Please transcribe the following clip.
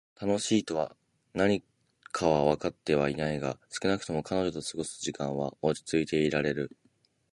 今も「楽しい」とは何かはわかってはいないが、少なくとも彼女と過ごす時間は落ち着いていられる。